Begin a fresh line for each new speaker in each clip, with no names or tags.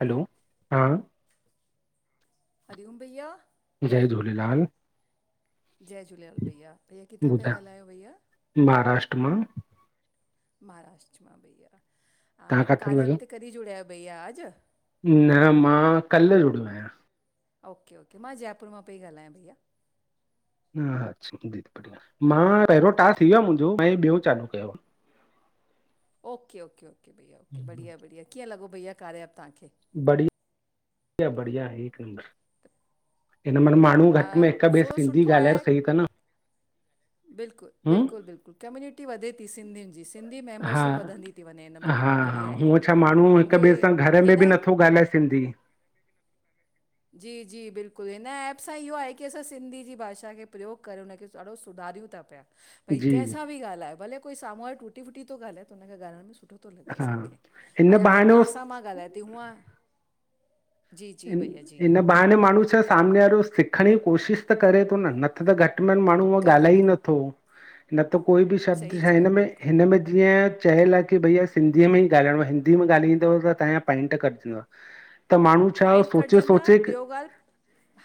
हलो हां।
हरीओम भईया।
जय झूलेलाल।
जय झूलेलाल भईया, भैया किथां पिया
ॿुधायो,
ॻाल्हायो भईया?
महाराष्ट्र मां।
महाराष्ट्र मां भईया
तव्हां
हा,
काथे था
कार्य एप
ॻाल्हायो?
ते कॾहिं जुड़िया आहियो? भईया अॼु।
न मां कल्ह जुड़ियो आहियां।
ओके ओके मां जयपुर मां पेई ॻाल्हायां भैया।
हा अच्छा बढ़िया मां पहिरियों टास्क थी वियो आ मुंहिंजो मां हे ॿियो चालू कयो आ।
ओके ओके ओके भैया
आहे।
ओके
हम्म,
बढ़िया बढ़िया, किंअं लॻो भैया कार्य एप त्हांखे?
बढि या बढ़िया हे [unintelligible] मां माण्हू घटि
आ,
में हिक ॿिए
थोरो
सिंधी
सुठो
ॻाल्हायो
आहे
सही थां न
बिल्कुलु
हम्म,
बिल्कुलु बिल्कुलु कम्यूनिटी वधे थी सिंधियुनि जी सिंधी
हा
मेंबरशिप वधंदी थी वञे हिन
हा
बहाने
हा,
बढ़िया आहे इहो
हूअं
बि
छा माण्हू हिक
मूंखे
ॿिए सां घर में
हिन
बि नथो ॻाल्हाए सिंधी,
जी जी बिल्कुलु हिन ऐप सां इहो आहे की असां सिंधी जी भाषा खे प्रयोग करे हुनखे ॾाढो सुधारियूं था पिया। भई
जी
कंहिंसां बि ॻाल्हाए भले कोई साम्हूं वारो टुटी फुटी तो ॻाल्हाए त हुनखे ॻाल्हण सुठो तो लॻे
हा,
असांखे
हिन
अॼु हाणे
बहाने
तहांसां
उहो
मां ॻाल्हाए थी हूअं जी जी भैया
इन्
जी
इन बहाने माण्हू छा सामने वारो सिखण ई कोशिश त करे तो न, न त त घटि में माण्ह णू हुंअ
करे
ॻाल्हाई
थो
नथो न त कोई बि शब्द
सही
छा
चयो
हिनमें
बिल्कुलु
हिनमें जिंय चयल आ की भई सिंधीअ में ई ॻाल्हाइों आ हिंदी में ॻाल्हाईंदव त तांया पाईंट कटजंदव। त माण्हू छा
पॉइंट
सोचे
कटजंदा
सोचे
ॿियो ॻाल्हि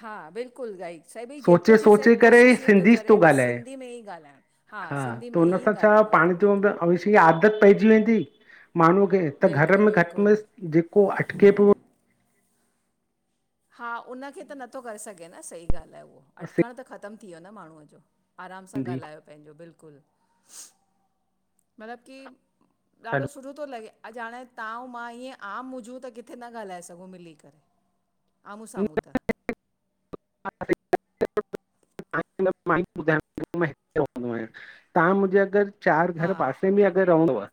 हा बिल्कुलु गाइक साईं भई
सोचे
जेतिरो थी सघे
सोचे करे
कोशिशि इहो थो
सिंधी
करे भई
ॻाल्हाए
सिंधी में ई ॻाल्हाइणु
हा
सिंधी
त
में
हुन
ई
सां छा
ॻाल्हाइणो आहे
पाण चऊं
खे
त अऊंसी आदत पइजी वेंदी माण्हूअ खे त घर
बिल्कुलु
में घटि में
बिल्कुलु
जेको अटके पियो
हा उनखे त नथो करे सघे न सही ॻाल्हि आहे उहो अटकण त ख़तम थी वियो न माण्हूअ जो। आराम सां
सिंधी
ॻाल्हायो पंहिंजो बिल्कुलु। मतिलबु की ॾाढो सुठो तो लॻे अॼु हाणे तां अऊं मां ईअं आम हुजूं त किथे न ॻाल्हाए सघो मिली करे। आमूं साम्हूं
हैलो
त
[unintelligible] [unintelligible] आहियां तव्हां मुंहिंजे अगरि चारि
हा
घर पासे में अगरि रहंदो आ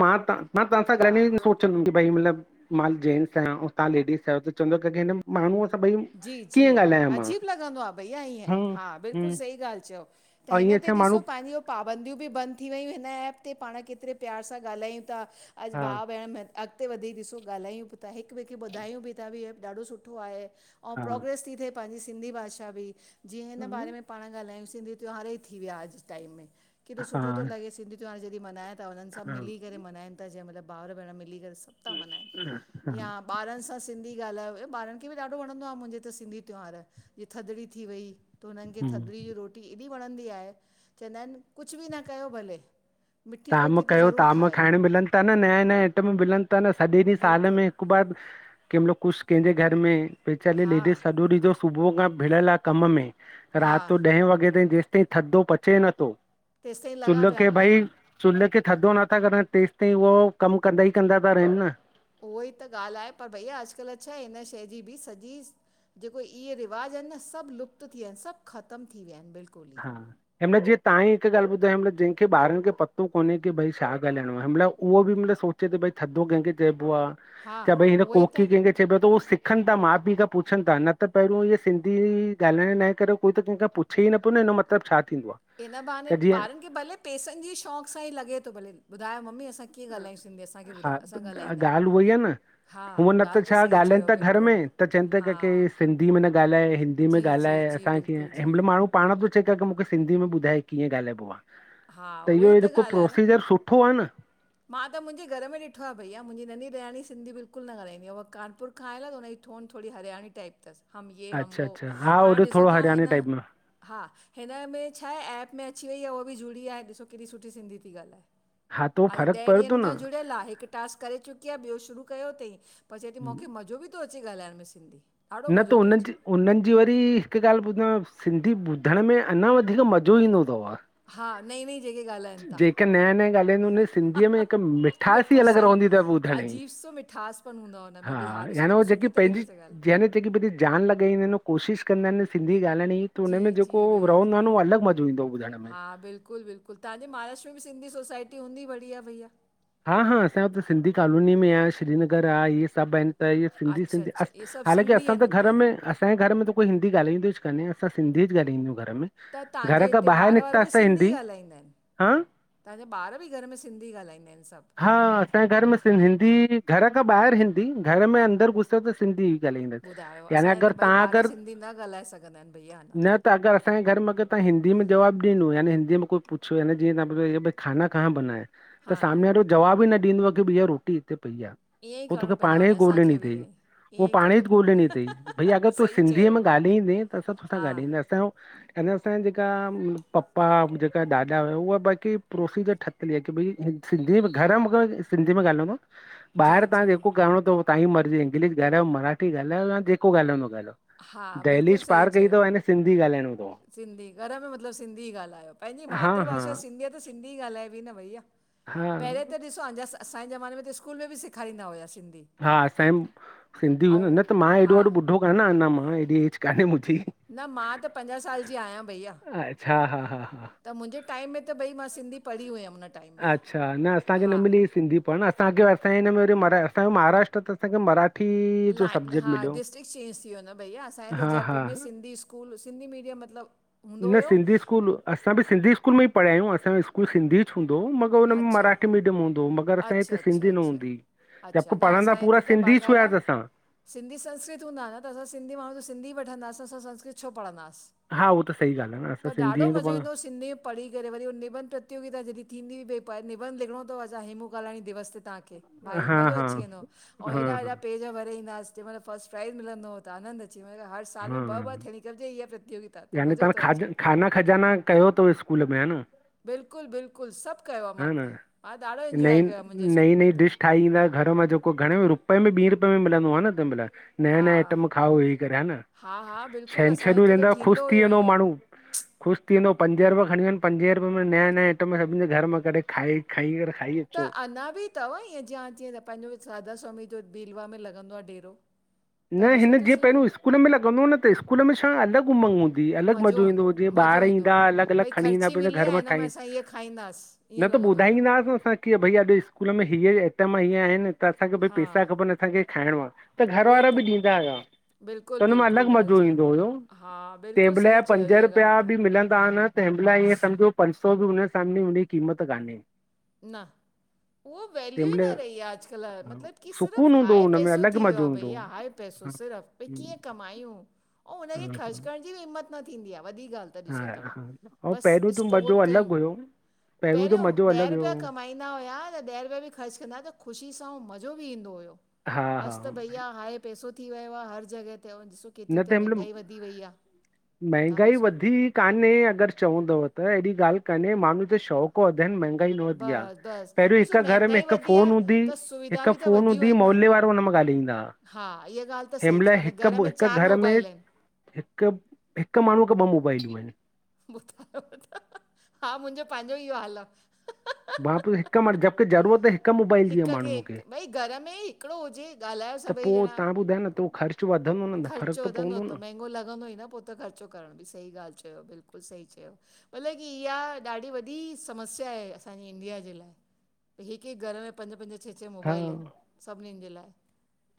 मां तां मां तव्हांसा
हा
गॾ चंदम कि भई मतलब मां जेंट्स आहियां अऊं तहां लेडीस आहियो त चवंदव करके हिन् माण्हू सभई कीअं ॻाल्हायन
सुठो लॻन्दो आ भैया इअं बिल्कुल
हम्म
सही गाल्ह चयव
ऐं ईअं छा माण्हू
पांज्यू पाबंदियूं बि बंद थी वयूं हिन एप ते पाण केतरे प्यार सां ॻाल्हायूं ता। अॼ
हा
भा भेण अॻते वधी ॾिसो ॻाल्हायूं बि था हिक ॿिए खे ॿुधायूं बि था भ ॾाढो सुठो आहे। और
हा
प्रोग्रेस थी थिए पांजि सिंधी भाषा बि जीअं
हा
हिन बारे में। पाण ॻाल्हायूं सिंधी त्योहार ई थी विया अॼ टाइम मे केॾो सुठो थो
हा
लॻे सिंधी त्यहार जॾहिं मनाय त उन्हन सभ मिली करे मनाइन था जंहिं माएल भाउर भेण मिली करे सभ था मनाइन
हा
या बारन सां सिंधी ॻाल्हायो ऐं ॿारन खे बि ॾाढो वणंदो। मुहिंजे त सिंधी त्योहार जिअं थदड़ी थी वयी त हुन्नखे
हम्म
थदड़ी जी रो टी एॾी वणंदी आहे, चवंदा आहिन कुछ बि न कयो भले मिठी
ताम
कोकी त
कयो
ज़रूरु
ताम
ठाहियो
खाइण मिलन था नया नया आइटम मिलन था न थदे ॾींह साल
बिल्कुलु
में। ब कहिंमल कुछ कंहिंजे घर में वेचारी
हा
लेडीस सॼो डींह जो सुबुह खां भिड़़ियल आ कम में
हा
रात जो ॾहें वॻे ताईं जेसि ताईं थधो पचे नथो
तेसिताईं लॻा
चुल
पिया
के
हूंदा
भई
आहियूं
चुल्ह खे थधो नथा करन तेस ताईं उहो कम कंदा ई कंदा ता रहन न।
उहो ई त ॻाल्ह आहे पर भईया अॼकल्ह छा हिन शए जी बि सॼी जेको इहे रिवाज आहिन न सब लुप्त थी विया आहिन सब ख़तम थी विया आहिन बिल्कुल।
हा। हिन महिल जीअं तवां हिकु ॻाल्ह ॿुधायो मल जंहिं ॿारनि खे पतो कोन्हें की भई छा ॻालाइणो आहे महिल उहो बि मलब सोचे चे भई थधो कहखे चयबो आ?
हा
छा भई हिन
उहो ई त
कोकी कहखे चए पियो त उ सिखन था माउ पीउ खां पुछनि था न त पहिरियों इअ सिंधी ॻाल्हाइण न जे करे कोई त कंहिंख खां पुछे ई न प न हिन जो मतिलब छा थींदो आ?
हिन बहाने ॿारन खे भले पैसन जी शौक़ सां ई लॻे थो भले ॿुधायो ममी असांखे
हा
ॿुधायो असां ॻाल्हाईंदा
ॻाल्ह उहई आ न
हा
हूअं न त
ॻाल्हि
छा
सही
ॻाल्हाइन
चयो
था घर
बिल्कुलु
में त चवन था
हा
क की सिंधी में न ॻाल्हाए हिंदी हिंदी में
जी जी
ॻाल्हाए
जी
असांखे
बिल्कुलु
हिन
जी
मल माण्हू पाण थो चए की मुखे सिंधी में ॿुधाए कीअं ॻाल्हाइनो आ।
हा
त
उहा
इहो
ई
जेको
ॻाल्हि आहे न
प्रोसीजर सुठो आ न।
मां त मुंजे घर में ॾिठो आहे भईया मुंहिंजी नढी ॾेरानी सिंधी बिल्कुल न ॻाल्हाईंदी आ उहा कानपुर खां आयल त हुनजी थोड़ी थोड़ी हरयाणी टाइप थस। हम ये हम
अच्छा
वो
अच्छा हा
हाणे
होॾे
ॾिसो
थोरो
तव्हां
हरियाणे
हिन
टाइप में
हा हिन में छा हे ऐप में अची वई आहे उहो बि जुड़ी वेया आहे ॾिसो केॾी सुठी सिंधी थी ॻाल्हाए
हा त उहो
अॼ
फ़र्क़ु
ॾह
पए थो
ॾींहंन खां
न
जुड़ियल आ हिक टास्क करे चुकी आ ॿियो शुरू कयो थई पर चए थी मुखे मज़ो बि थो अचे ॻाल्हाइण में सिंधी। ॾाढो
न
मज़ो
त
थो
हुनन
अचे
जी उन्हन जी वरी हिक ॻाल्ह ॿुधो सिंधी ॿुधण में अञा वधीक मज़ो ईंदो थव।
हा नईं नईं जेके ॻाल्हाइनि था
जेके नया-नया ॻाल्हाईंदा हुन सिंधीअ में हिक मिठास
बिल्कुलु
अल
सही
रहदी थस ॿुधण
अजीब सो मिठासपन हूंदो आहे हुन में
हा
बि ॾिसो केॾो
यानि जेकी
सुठी तरीक़े
पंहिंजी
सां ॻाल्हि
जेकी भई जान लॻाईंदा आहिन कोशिश कंदा आहिन सिंधी ॻाल्हाइण जी त हुन में जेको रहंदो आ उहो अलॻ मज़ो ईंदो ॿुधण में।
ह बिलकुल बिलकुल तव्हांजे महाराष्ट्र में भी सिंधी सोसाइटी हुंदी बढ़िया भइया?
हा-हा असांजे हुते सिंधी कॉलोनी में आहे श्रीनगर आ इहे सभ आहिन। त इहे
अच्छा
सिंधी-सिंधी
अच्छा इहे सभु
हालाकी
सिंधी
असां
आहिनि
त घर
हुते
में असांजे घर में त कोईं हींदी ॻाल्हाईंदो ई कानेंअसां सिधी ॻालाईंदा आहियूं घर में।
त तव्हांजे
घर खां
हिते
ॿाहिरि
ॿार वार बि
निकितासीं त
सिंधी
हिंदी
ॻाल्हाईंदा आहिनि?
हा
तव्हांजा ॿार बि घर में सिंधी ॻाल्हाईंदा आहिनि सभु?
हा असांजे घर में सिंधी घर खां ॿाहिरि हिंदी घर में अंदर घुस त सिंधी ॻाल्हाईंदाइन
ॿुधायो
यानी
असांजे
अगरि
त भई
तव्हां
ॿार
अगरि
सिंधी न ॻाल्हाए सघंदा आहिनि भईया अञा
न त अगरि असांजे घर में अगर तवां हिंदी में जवाब ॾिनो याने हिंदीअ में कोई पुछ या जीअं तव्हां ये भई खाना कहां बना है? त
हा
साम्हे वारो जवाबु ई न ॾींदो आ की भईया रोटी हिते पई आ
ईअं ई
हू
करिणो
तोखे
पवंदो
पाण ई
हाणे असांखे
ॻोल्हिनी
बि
तई
ईअं ई
उ
ईअं
पाण ई
करिणो
ॻोल्हणी तई भई अगरि
पवंदो
तूं
सही
सिंधीअ
चयो
में ॻाल्हाईंदे त सब तोहसां
हा
ॻाल्हाईंदा, असांजो हिनसां जेका पपा जेका ॾाॾा हुआ उहा बाक़ी प्रोसीज़र ठतो ठयल आहे की भई सिंधी घर में सिंधी में ॻाल्हाईंदाव,
जी
ॿाहिरि तव्हां
जी
जेको करणो तव तव्हांजी मर्जी इंग्लिश ॻाल्हायो, मराठी ॻाल्हायो या जेको ॻाल्हायणो तव
हा
ॻाल्हयो
बिल्कुलु
दहलीज
सही
पार कई
चयो
तव याने सिंधी ॻाल्हायणो
सिंधी, घर में मतलबु सिंधी ही ॻाल्हायो पंहिंजी
हा हा
मातृभाषा सिंधी आ त सिंधी ॻाल्हाए बी न भईया,
हा
पहिरें त ॾिस तव्हांजा असांजे ज़माने में त स्कूल में बि सेखारींदा हुआ सिंधी।
हा असांजे सिंधी हुई न
ऐं
न त मां एॾो
हा
वॾो ॿुढो कान आयां अञा मां, एॾी एज कान्हे मुंहिंजी।
न मां त पंजाहु साल जी आहियां भईया।
अच्छा हा हा हा
त मुंहिंजे टाइम में त भई मां सिंधी पढ़ी हुयमि न।
अच्छा न असांखे न मिली सिंधी पर न असांखे असांजे हिन में वरी असांजो महाराष्ट्र त असांखे मराठी जो
लाइन
सब्जेक्ट
हा
मिलियो
डिस्ट्रिक्ट चेंज थी वियो न भैया असांजे त
हा हा
जयपुर में Sindhi school school Sindhi medium मतिलबु हूंदो
न
हुयो
सिंधी स्कूल असां बि सिंधी स्कूल में ई पढ़िया आहियूं असांजो स्कूल सिंधी ही हूंदो हो मगर हुन में
अच्छा
मराठी मीडियम हूंदो हो, मगरि असांजे
अच्छा
हिते
अच्छा
सिधी न
अच्छा
हूंदीई।
अच्छा
जबकि
न
पढ़ंदा
असांजे
पूरो
हिते त
सिंधी
बाक़ाइदा
हुआस असां।
सिंधी संस्कृत हूंदा न त असां सिंधी माण्हूं त सिंधी वठंदासि, असां संस्कृत छो पढ़ंदास?
हा उहो त सही ॻाल्हि आहे न असां
पर ॾाढो
सिंधी आहियूं त
मज़ो
पाण
ईंदो हुयो सिंधी पढ़ी करे वरी हो निबंध प्रतियोगिता जॾहिं थींदी हुई भई निबंध लिखणो तव अच्छा हेमू कालाणी दिवस ते तव्हांखे भाई
हा
मज़ो
हा
अची वेंदो हो, अउं
हा
हेॾा
हा
हेॾा पेज भरे ईंदासीं जंहिं महिल फस्टप्राइज़ मिलंदो हो त आनंद अची वेंदो त हर साल
हा
में ॿ ॿार थियणी खपिजे इहा प्रतियोगिता त
यानी
मज़ो
तव्हां
थो
खाज
अचे। पियो
खाना खजाना कयो तव स्कूल में हा न
बिल्कुलु बिल्कुलु सभु कयो आ मां,
हा न
मां ॾाढो इंजॉय कयो आ मुंहिंजे स्कूल में त।
ठाए ईंदास घर मां जेको घणे में रुपए में ॿी रुपए में मिलंदो हुओ न तंहिं महिल? नया
हा
नया आइटम खाओ वेही करे हा न।
हा हा बिल्कुलु असांजे
छंछरूं
हुते त
रहंदा ख़ुशि
थींदो
थी
हुयो
वेंदो
ईअं‌।
माण्हू ख़ुशि थींदो हो पंज रुपया खणी वञ पंजे रुपये में नया नया आइटम सभिननि जे घर में करे खाई खाई करे खाई
त
अचो
अञा बि तव ईअं जीअं जीअं त पहिंजो राधा स्वामी जो भीलवाड़ा में लॻंदो आ डेरो।
न
तव्हां ॾिसो
हिन
त
जीअं
सही
पहिरियों स्कूल में लॻंदो हो न त स्कूल में छा अलॻि उमंग हूंदी हुई अलॻि मज़ो ईंदो हु
हूंदो
जीअं
मज़ो
ॿार
ईंदो
ईंदा हा अलॻि अलॻि
भई
खणी ईंदा हा
ख़र्ची
पंहिंजे
मिली
घर
आहे
मां
हिन में
ठाहे
असां इहे खाईंदासीं ईअं
न त
लॻंदो
ॿुधाए
हुयो
ईंदास न असां की भई अॼु स्कूल में हीअ ही आइटम हीअं आहिनि त असांखे भी
हा
पेसा खपनि असांखे खाइणो आ त घर
उहो ई
वारा
त
बि ॾींदा हुया। त
बिल्कुलु
हुनमें
बिल्कुलु
अलॻि
ॻाल्हि
मज़ो
चयो
ईंदो हुय,
हा
के
बिल्कुलु
महिल
सही चयो
पंज
इहा
रुपया
ॻाल्हि त
बि मिलंदा हुआ न तंहिंमहिल ईअं सम्झो पंज सौ बि हुनजे सामने हुन जी क़ीमत कान्हे
न उहो वैल्यू
तंहिं
ई
महिल
न रही आहे अॼुकल्ह मतिलबु की सिर्फ़ु
सुकून हूंदो हुओ
हाय
हुन में
पैसो
अलॻि
थी वियो आ
मज़ो हूंदो
भईया
हुओ
हाए पैसो सिर्फ, भ्ई कीअं कमायूं? अंऊँ हुनखे ख़र्च
हा
करण जी बि हिम्मत न थींदी आ वॾी ॻाल्हि त ॾिसो तां
हा हा ऐं
बस
पहिरियों जो मज़ो
स्टोर
अलॻि
कयूं
हुयो जो
पहिरियों
मज़ो अलॻि
ॾह रू
हुयो
कमाईंदा हुया त ॾह रुपिया बि ख़र्चु कंदा त ख़ुशी सां अंउं मज़ो बि ईंदो हुयो
हा हा
अॼु त भईया हाए पैसो थी वियो आ हर जॻह ते केतिरी
न
त
तंहिं महिल
महांगाई वधी वई आ तव्हां
महांगाई
ॾिसो
वधी कान्हे अगरि चवंदव त अहिड़ी ॻाल्हि कान्हे माण्हू जो शौक़ु वधया आहेनि महांगाई न वधी आहे
बसि
पहिरियों
बसि ॾिसो
हिकु घर में
महांगाई
हिकु
वधी
फोन
आहे
हूंदी
त सुविधा
हिकु
बि त
फोन
वधियूं
हूंदी
आहिनि न
मोहल्ले वारो हुन मां ॻाल्हाईंदा
हा इहा ॻाल्हि त सही चयव हाणे घर में चारि मोबाइल आहिनि
हिकु, हिकु माण्हूअ खे ॿ मोबाइलियूं आहिनि।
ॿुधायो त, हा मुंहिंजो पंहिंजो ई इहो हाल आ।
मा बि हिकु मड़ जबकी ज़रूअ ते
हिक खे हिक, भई घर में हिकिड़ो हुजे ॻाल्हायो सभई ॼणा।
ॿुधे न थो ख़र्च वधंदो न त
ख़र्चो
फ़र्क़ु
वधंदो
पवंदो
त
न
महंगो लॻंदो ई न पो त ख़र्चो करण बि, सही ॻाल्हि चयो बिल्कुलु सही चयो। मतिलबु की इहा ॾाढी वॾी समस्या आहे असांजी इंडिया जे लाये। हिकु, हिकु घर में पंज, पंज, छह, छह
हा
मोबाइल सभनि जे लाये।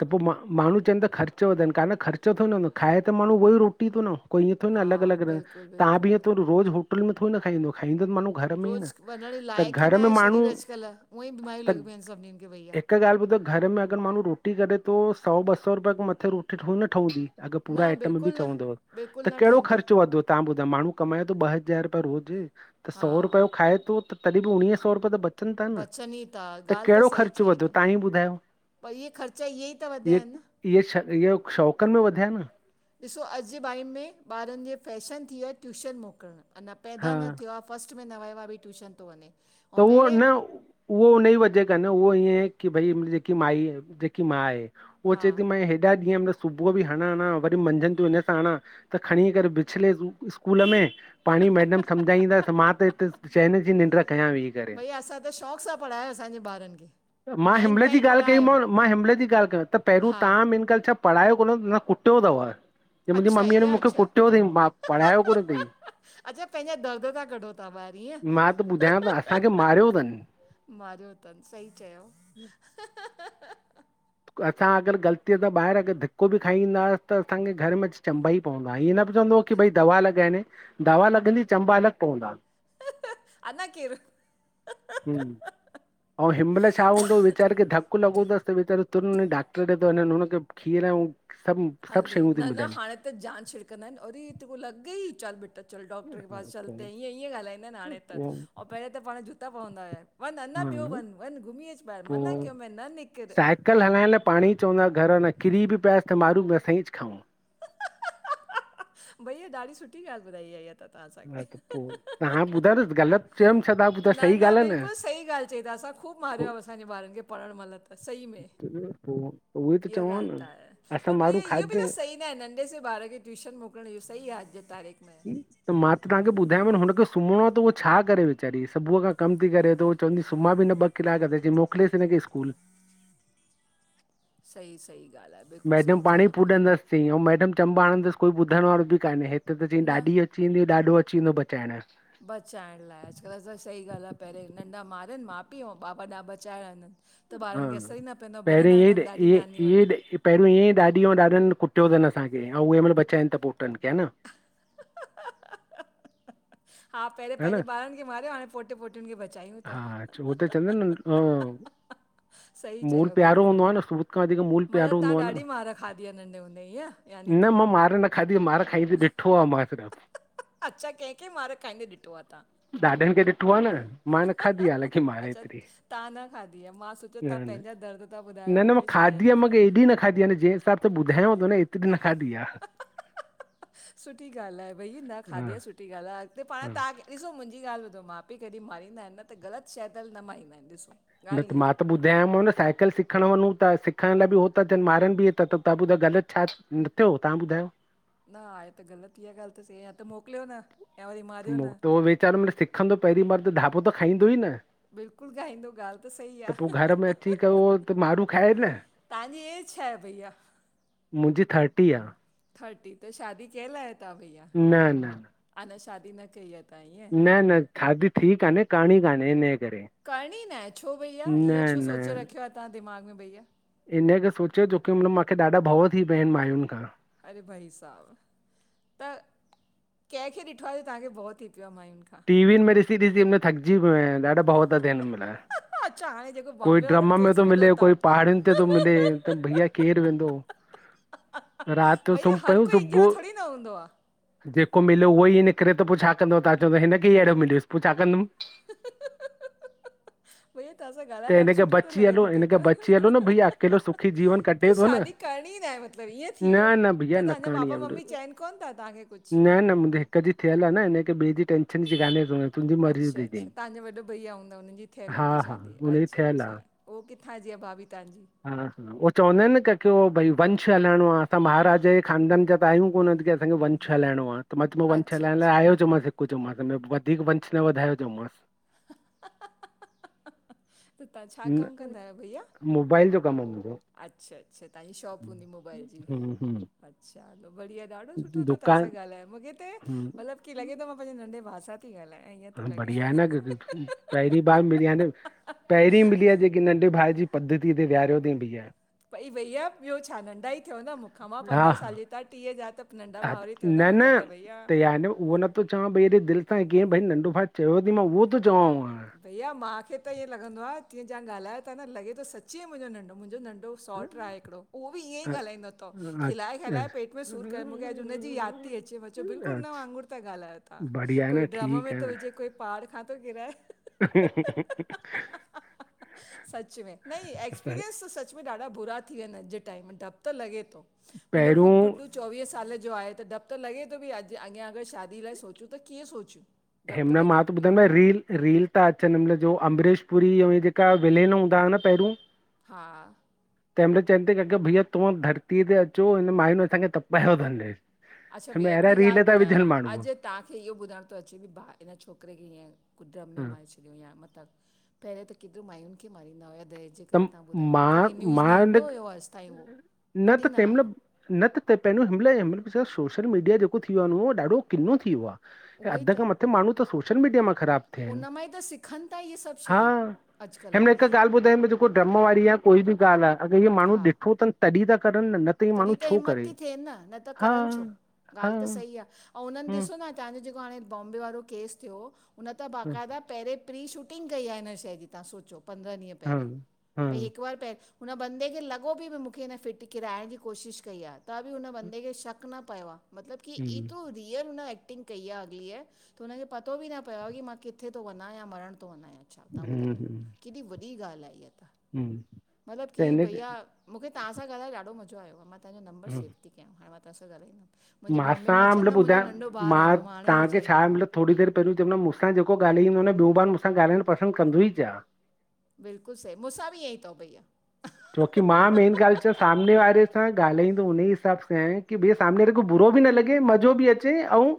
त पो मां माण्हू चनि ता ख़र्चो वधनि कान ख़र्चो तो न हूंदो खाए त माण्हू उहो ई रोटी थो न। कोई इएं थोडी न
हा
अलॻि अलॻि रहे,
बिल्कुलु
त्वहां बि
बिल्कुलु
इएं तो रोज़ होटल में थोडे ई न खाईंदो, खाईंदो त माण्हू घर में ई
रोज़
न
वञण
त
लाइक़ु ई न
घर में
आहे
माण्हू
शरीर अॼुकल्ह, उअंई बीमारियूं
त
लॻियुं पयूं आहिनि सभिनीनि खे भईया।
हिकु गाल्हि ॿुधो घर में अॻरि माण्हू रोटी करे थो, सौ ॿ सौ रुपये खों मथे रोटी थोडी न ठवंदी। अॻरि पूरा
न
आइटम बि
बिल्कुलु न
चवंदव,
बिल्कुलु
त
न
कहिड़ो
ठहंदी
ख़र्चो वधो तव्हां ॿुधायो माण्हू कमाए थो ॿ हज़ार रुपये रोज़, त
हा
सौ रुपयो खाए थो तॾहिं बि उणिवीह सौ रुपये त बचनि था न,
बचनि ई था
त
ॻाल्हि
कहिड़ो
सही
ख़र्च
चई
वधो
अथऊं
तव्हां ई ॿुधायो।
पर ईहे खर्चा इएं
इय इहे छ इहे शौक़नि में वधयानि न।
ॾिसो अॼु जे टाइम में ॿारनि जे फैशन थी वियो आहे ट्यूशन मोकिलणु, अञां पैदा
हा
न थियो आ फस्ट में न वयो आ भई ट्यूशन थो वञे।
त
ऐं
उहो
पहिरें
न उहो उन्हें जी वजह कान्हें, उहो ईअं है की भई जेकी माई जेकी मा आहे। उहो
हा
चये थी मां हेॾा ॾींहं म सुबुह बि हणा, हणा, वरी मंझंन थियूं हिंअर सां हणा, त खणी करे बिछले थी इस्कूल में पाणेई मैडम सम्झाईंदस, मां त हिते चैन जी निंड्र कयां वेई।
भईया असां त शौक़ु सां पढ़ायो असांजे ॿारनि खे।
मां
नाइंथ
हिमले जी
ताईं
ॻाल्हि कई
पढ़ायो
मांव मां हिमले जी ॻाल्हि कई त पहिरूं
हा
तव्हां मेंन ॻाल् छा पढायो कोन होव कुटियो तव। जीअं मुंहिंजी
अच्छा
मम्मीअ न
ईअं
मूंखे
अच्छा
कुटियो थई मां पढ़ायो कोन थई।
अच्छा पंहिंजा दर्द था कढो तां ॿाहिरि इअं।
ॿुधयां त असांखे मारियो थनि।
मारियो थनि सही चयोव
असां अॻरि ग़लतीअ सां ॿाहिरि अॻरि धिको बि खाई ईंदासीं त, असांखे घर में चंबा ई पवंदा हुआ इएं न चवंदो की भई दवा लॻाइन, दवा लॻंदी चंबा अलॻि पवंदा
अञां किरु।
हूं अऊं हिमल छा हूंदो वेचारे के धकु लॻोंतसि त वेचारो [unintelligible] डॉक्टर ॾ हुनखे खीर [unintelligible] सभु
हलदी,
शयूं
न
थी
न
मिलनि
हाणे त जान छिड़िकंदा आहिनि, अरे तेरे को लॻ गई चल बेटा चल डॉक्टर के पासि चल। त ईय ईय ॻाल्हाईंदा आहिनि हाणे त, अऊं पहिरिय त पाण जूता पवंदा हुया वन अञां ॿियो वंञ। वञ घुमी अच। ॿाहिरि
पो
मना कयो मैं न निकिर
साहिब मोटर हलाइण लाये पाणी चवंदा घर में किरी बि पये त मारू भी असांं इच खाऊं।
भईया ॾाढ़ी सुठी ॻाल्हि ॿुधाई आ ईया त। तव्हां
हा
असांखे
त पो तव्हां ॿुधायो न ग़लति चयमि छा ता ॿुधायो
न
सही ॻाल्हि आ न।
बिल्कुलु सही ॻाल चई त असां ख़ूब
पोइ
मारियो आ, असांजे ॿारनि खे पढणु महिलु त। सही में,
उहोई त
इया
चवां
ॻाल त
न
आहे,
असां
पर भईया
माण्हू
इअं भी त
खाधे
सही न नंढे से ॿार खे ट्यूशन मोकिलण इयो सही आ अॼु जी तारीख़ में।
त मां त तव्हांखे ॿुधायांव, हुनखे सुम्हणो आ त उहो छा करे वेचारी सुबुह खां कमु थी करे तो चवंदी सुमा बि न ॿ कलाकु त वेजे मोकिलेस हिनखे इस्कूल।
सही सही ॻाल्हि आह।
मैडम पाण ई पूॾंदसि चई ऐं मैडम चंबा आणंदसि कोई ॿुधण वारो बि कान्हे हिते त चई
न
ॾाढी चईदी ॾाढो अची वेंदो बचाइण।
बचाइण लाइ अॼुकल्ह त सही ॻाल्हि आह। पहिरेंं नंढा मारनि मा पी ऐं बाबा ॾा बचाएया
हा पहरे [unintelligible]
आहिनि ॾाॾी नानी वटि
पहिरियों ईअं ॾाॾी ऐंॾनि कुटियो अथ असांखे ऐं उहे महिल बचाइनि त पोुटनि खे ह न?
हा पहिरियों पंहिंजे ॿारनि खे मारियो हाणे पोटी पोटियुनि खे बचायूं था।
चंदं [unintelligible]
सही
मुूल
चयो
प्यारो हूंदो
बिल्कुलु
आह न सुत खां वधीक मुूल प्यारो
मतिलबु तव्हां
हूंदो आह न।
ॾाढी मार खाधी आहे नंढे हूंदे ईअं यानी
न
की
मां मार न खाधी मार खाईंदी ॾिठो आहे मां सिर्फ़।
अच्छा कंहिंखे मार खाईंदेॾठो आह तव्हां?
ॾाॾनि खे ॾिठो आह न। मां न खाधी
तव्हां
हालकी मारे
अच्छा
एतिरी
तव्हां न खाधी आहे मां सोचियो
न
तव्हां
न?
पंहिंजा दर्द था ॿुधायो
न न मां
मूंखे
खाधी आहे
शायदि
मूंखे हेएॾी न खाधी आहे जंहिं हिसाब सां ॿुधायांव थो न एतिरी न खाधी आह।
सुठी ॻाल्हि आहे भई न
हा
खाधी आहेसुठी ॻाल्हि आहे अॻिते पाण
हा
तव्हांखे ॾिसो मुंहिंजी ॻाल्हि ॿुधो माउ पउ कॾ मंदा न त ग़लि शैदल न मारींदा आहिनि ॾिसो
न त
ॻाल्हि
म
इहा
मां
आहे
बुध दधयाम न साइकिल सिखणु वञूं था। सिखण लाइ बिह था थियनि ॿारनि बि थाव्हां ॿुधा ग़लति छा न थियो तव्हां ॿुधायो?
न आहे त ग़लति, ई ॻाल्हि त सेी आहे त मोकिलियो न। या वरी मारियो न
त उो वीचारे में सिखंदो पहिरीं बार त ढाॿो त खाईंदो ई न।
बिल्कुलु ॻाईंदो ॻाल्हि सही
त पोइ
आहे
घर में अची करे उह त मारू खाए न।
तव्हांजी एज छा आहे? भैया
मुंहिंजी थर्टी आह।
थर्टी त शादी कयल आहियो? तवां भईया
न न
आ न शादी न कई आह।
न न शादी थी कान्हे करणी, ई कान्हे इनहे करे।
करणी ई न आहे, छो भईया
न
ईअं छो सोचे
न
रखियो आहे तव्हां दिमाग़ में भईया?
इन करे सोचयो छो की मतलब माखें ॾाढा भव थी पिया आहिनि माइयुनि खां।
अरे भाई साहब त कंहिंखे ॾिठो आहे त तव्हांखे भओ थी पियो आहे माययुनि खां?
टीवी में ॾिसी ॾिसी करे थकजी पयो आहियां ॾाढा भौ ता थियन हिमंहिल।
अच्छा हाणे जेको
कोई
बॉम्बे वारो
ड्रम में
केस
थो
ॿुधो
मिले
अथव
कोई पहाड़ियुनि ते थो मिले त भईया केर वेंदो। राति जो
भईया
सुम्ही
हर
पयूं
कोई हिक जहिड़ो
सुबुह
थोडी न हूंदो आ।
जेको मिलियो उहो ई निकिरे त पो छा कंदो तव्हां चवंद हिनखे ही अहिड़ो मिलियुसि पो छा कंदुमि?
[inaudible] भईया तव्हां सां ॻाल्हाए
त
ॾाढो
हिन खे
सुठो थो
बची
लॻे
हलो
मूंखे
हिन
त
खे बची हलो न भईया अकेलो सुखी जीवन
त
कटे थो न
शादी करणी ई न आहे मतिलब ईअं थी वियो
न न
त
भईया न
तव्हांजा
करणी
मापा
आहे
मम्मी
बिल्कुलु।
चवनि कोन्ह था तव्हांखे कुछ?
न न मुंहिंजे हिक जी थियल आ न इन करे ॿिए जीं टेंशन जी कान्हे ज़रूरत।
अच्छा अच्छा तव्हांजा वॾो भईया हूंदा हुननि जी थयल
हा
हूंदी
हा
शादी
हुनजी
अच्छा
थियल
अच्छा।
आहे
उह किथां जी आहे भाभी तव्हांजी?
हा हा उहो चवंदा आहिनि न की की भई वंश हलाइणो आहे असां महाराज जे ख़ानदान ज आहियूं कोन असांखे वंश हलाइणो आहे त वंश
अच्छा
हलाइण लाइ
अच्छा
आयो [unintelligible] वधीक वंश न वधायो चयोमास।
त तव्हां छा
न
कम कंदा आहियो भईया?
मोबाइल जो कम आ मुंजो।
अच्छा अच्छा तव्हांजी शॉप हूंदी मोबाइल जी।
हम्म हम्म
अच्छा हलो बढ़िया ॾाढो सुठो थियो तव्हां सां
दुकान
ॻाल्हायो मूंखे त
हम्म
मतलब की लॻे थो कि मां पंहिंजे नंढे भा सां थी ॻाल्हायां ईअं थो
हा,
लॻे।
बढ़िया [inaudible] पहिरीं बार मिली आ, न पहिरीं मिली आ जेकी नंढे भाउ जी पद्धति ते वेहारियो थी बी
पई भईया ॿियो छा नंढा ही थियो न मूंखां मां
हा
पंजाहु
हा
साले ता ट्रीह जा। नंढा
हा
भाउर ई थियो
न न
मुंहिंजा भईया
त याने न उहो न त चवां भई हेॾे दिलि सां कीअं भाई नंढो भाउ चयो थी मां उहो थो चवां।
भईया माखे त ईअं लॻंदो आह जीअं ॻाल्हायो था न लॻे थो सची ई मुंहिंजो नंढो मुंहिंजो नंढो सॉट्र आहे हिकिड़ो उहो बि ईअं ई
हा
ॻालाईंदो तथ खिलाए
अच्छा
खिलाए पेट में सूर कयो मूंखे अॼु हुनजी याद। ती अचे मां चयो बिल्कुलु न
अच्छा
वांगुर ता ॻाल्हयो तव्हां
बढ़िया आहे न
कोई ड्रम में
ठीकु आहे
थो
न
विजे कोई पहाड़ खां थो किराए
[inaudible]
सच में न एक्सपीरियंस त सच में ॾाढा बुरा थी विया आहिनि अॼु जे टाइम में ड्रपु त लॻे थो। मुंजो खुद
पहिरियों
गुडु चोवीह साल जो आहे त ड्रप त लॻे थो कि अॼु अॻियां अगर शादी लाइ सोचूं त कीअं सोचूं। डपु त
हिमल मां
लॻे
तो
थो
ॿुधायो
भैया
न रील रील था अचनि हिमल जो अम्बरेश पुरी जेका विलेन हूंदा हुआ न पहिरियों।
हा
तंहिंहिल चईन ता अगर भईया तूं धरती ते अचो हिन माईयुनि असांखे तपायो तन।
अच्छा भईया हिकड़ ॻाल्हि ॿुधायो अॼु तव्हांखे इहो ॿुधाइण थो अचे भा हिन छोकिरे खे ईअं कु ड्रम में
हा
मारे छॾे या मतलब पहिरियों त केतिरी माययुनि खे मारींदा हुया दहेज जे करे
त
तव्हां ॿुधायो
मां
कॾहिं न्यूज़ में
मां हिन
ईंदो हुयो अॼु ताईं उहो
त
कॾहिं न
तंहिं महिल
आहियो।
न त पहिरों हिमल हिमल प सोशल मीडिया जेको थी वियो आहे उहो ॾाढो किन्नो थी वियो आ।
उहो ई
अध
त
खां मथे माण्हू त सोशिल मीडिया मां ख़राब
उन मां ई त सिखनि था इहे सभु
हा,
शयूं
हिनमहल हिक
अॼुकल्ह
गाल ॿुधाई मुंहिंजो ड्रम वारी या कोई बि ॻाल्हि आ अगरि इ
हा
माण्हूॾिठो तनि तॾहिं ता करनि न नत्
तॾहिं त हिम्मत ती थिएन न नत करनि छो?
हा
ॻाल्हि त
हम्म
सही आ, अउं हुनननि ॾिसो न तव्हांजो जेको हाणे बॉम्बे वारो केस थियो हुन त
हम्म
बाक़ाइदा पहिरेंं प्री शूटिंग कई आ हिन शइ जी तव्हां सोचो पंद्रहं ॾींहं पहिरे,
हम्म
भई
हम्म
हिकु बार पहिरं हुन बंदे खे लॻो भी भई मूंखे हिन फिटी किराइण जो कोशिश कई आ त बि उन बंदे खे शक न पियो आ मतलब की
हम्म
एतिरो रियल हुन एक्टिंग कई्या अगलीअ त हुनखे पतो बि न पियो आ की मां किथे तो वञा या मरण तो वञा या? छा ता
हम्म
ॿुधायो?
हम्म
केॾी वॾी ॻाल्हि आ इहा त,
हम्म
मतिलबु
त
की
हिन करे
भईया मूंखे तव्हांसा ॻाल्हाए ॾाढो मज़ो आयो, मां तवांजों नंबर
हम्म
सेव ती कयां हाणे मां तव्हांसा ॻालाईंदमि।
मांसां मतलबु ॿुधायां, मां
रहंदो आहे हाणे ईअं
तव्हांखे छा
चवंदमि
मतिलबु? थोड़ी देरि पहिरियों जहिंमहल मूंसां जेको ॻाल्हाईंदो आ न ॿियो बार मूंसा ॻालाइण पसंदि कंदोई आ।
बिल्कुलु सही मूंसां बि ईअं ई तव भईया।
छोकी मां मेन ॻाल्हि छा सामने वारे सां ॻाल्हाईंदो हुन ई हिसाब सां आहियां की भईया सामने वारे खे बुरो बि न लॻे मज़ो बि अचे अउं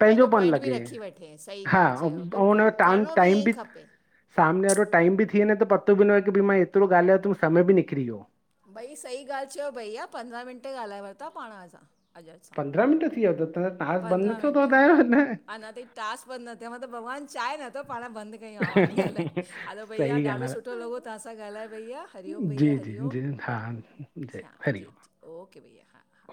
पंहिंजो पन
पॉइंट बि
लॻे
रखी वठे सही
हा
ॻाल्हि
अउं
चयो
हुनमें
बिल्कुलु
टाम
करिणो
टाइम
ईअं ई
बि
खपे
सामने वारो टाइम बि थी वञे त पतो बि नाये कि भई मां एतिरो ॻाल्हायो त समय बि निकिरी वियो।
भई सही ॻाल्हि चयो भईया, पंद्रहं मिंट ॻाल्हाए वरिता पाण असां अॼ असां।
पंद्रह मिंट थी विया त टास्क बंद न
पंद्रहं
थियो तव
मिंट
ॿुधायो अञा।
टास्क बंदि न थियो आ मतलब भॻवान चाहे नथो पाण बंदि हलो भैया
सही
ॾाढो
ॻाल्हि
सुठो लॻो तव्हां सां ॻाल्हाए भैया, हरिओम
आहे
भैया
जी जी
हरिओम।
जी हा जय
अच्छा
ह
जी जी ओके भैया हा हा